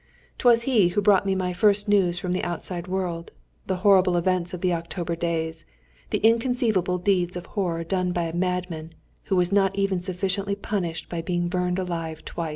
'Twas he who brought me my first news from the outside world: the horrible events of the October days, the inconceivable deeds of horror done by a madman, who was not even sufficiently punished by being burned alive twice.